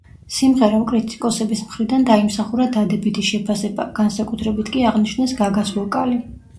სიმღერამ კრიტიკოსების მხრიდან დაიმსახურა დადებითი შეფასება, განსაკუთრებით კი აღნიშნეს გაგას ვოკალი.